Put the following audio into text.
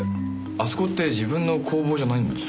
あそこって自分の工房じゃないんですか？